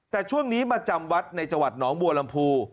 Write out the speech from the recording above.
แต่ช่วงนี้มาจำวัดในจังหวัดหนองบัวลำพู